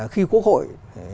khi quốc hội